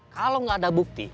kalau gak ada bukti